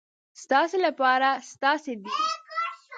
ستاسې لپاره ستاسې دین.